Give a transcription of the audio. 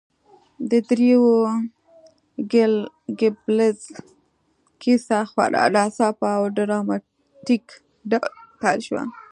د دریو ګيبلز کیسه خورا ناڅاپه او ډراماتیک ډول پیل شوه